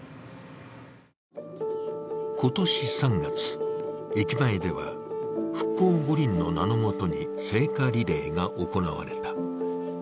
今年３月、駅前では復興五輪の名のもとに聖火リレーが行われた。